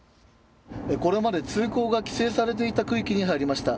これまで通行が規制されていた区域に入りました。